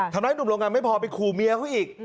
ทำร้ายหนุ่มโรงงานไม่พอไปขู่เมียเขาอีก